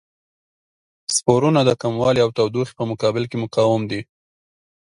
سپورونه د کموالي او تودوخې په مقابل کې مقاوم دي.